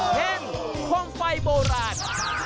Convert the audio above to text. เพราะเฟฟัยโบราณ